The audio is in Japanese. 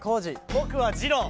ぼくはじろー。